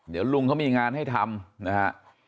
เดี๋ยวลุงเขามีงานให้ทำนะฮะ